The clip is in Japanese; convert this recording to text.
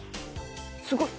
すごい！